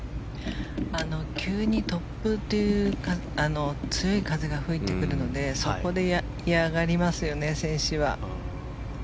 急に突風という強い風が吹いてくるのでそこで嫌がりますよね、選手は。